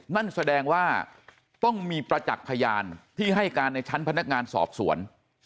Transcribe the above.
นั่นแสดงว่าต้องมีประจักษ์พยานที่ให้การในชั้นพนักงานสอบสวน